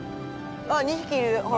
あっ２ひきいるほら！